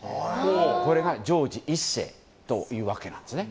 これがジョージ１世というわけなんですね。